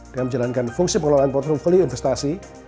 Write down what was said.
dengan menjalankan fungsi pengelolaan portfoli investasi